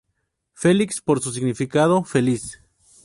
Felix por su significado, Feliz.